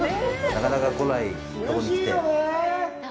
なかなか来ないところに来て。